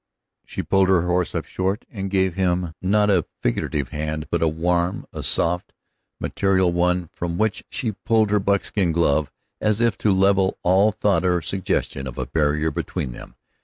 She pulled her horse up short, and gave him, not a figurative hand, but a warm, a soft and material one, from which she pulled her buckskin glove as if to level all thought or suggestion of a barrier between them.